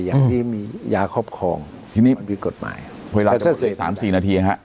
อย่างที่มียาครอบครองที่มีกฎหมายถ้าเจอสัมภาษณ์๓๔นาทีครับ